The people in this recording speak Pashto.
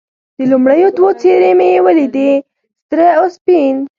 د لومړیو دوو څېرې مې یې ولیدې، سره او سپین.